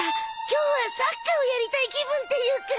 今日はサッカーをやりたい気分っていうか。